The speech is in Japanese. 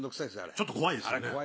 ちょっと怖いですよね。